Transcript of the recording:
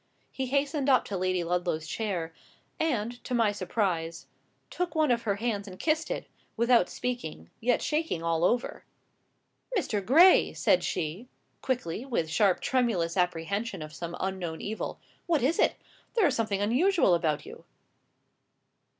He hastened up to Lady Ludlow's chair, and, to my surprise, took one of her hands and kissed it, without speaking, yet shaking all over. "Mr. Gray!" said she, quickly, with sharp, tremulous apprehension of some unknown evil. "What is it? There is something unusual about you."